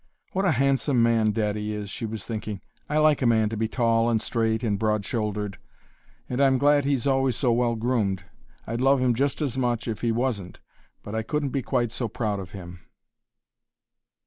"What a handsome man daddy is," she was thinking; "I like a man to be tall and straight and broad shouldered; and I'm glad he's always so well groomed; I'd love him just as much if he wasn't, but I couldn't be quite so proud of him."